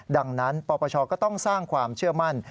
ดังนั้นปปชก็ต้องสร้างความเชื่อมั่น